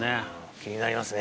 気になりますね。